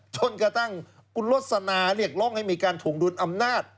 จนกระทั่งคุณลสนาเรียกร้องให้มีการถวงดุลอำนาจ